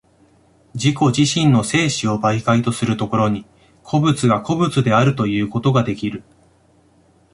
自己自身の生死を媒介とする所に、個物が個物であるということができる。